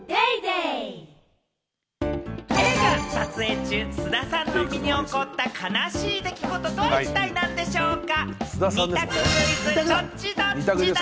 映画撮影中、菅田さんの身に起こった悲しい出来事とは一体何でしょうか？